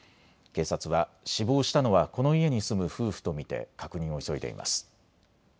警察は死亡したのはこの家に住む夫婦と見て確認を急いでいます。